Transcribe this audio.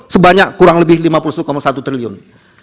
sebanyak kurang lebih lima puluh satu satu triliun